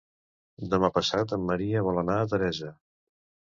Demà passat en Maria vol anar a Teresa.